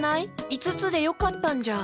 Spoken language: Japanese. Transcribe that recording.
いつつでよかったんじゃ。